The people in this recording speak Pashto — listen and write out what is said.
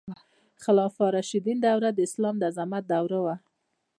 د خلفای راشدینو دوره د اسلام د عظمت دوره وه.